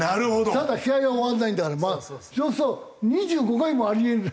ただ試合は終わらないんだからそうすると２５回もあり得る。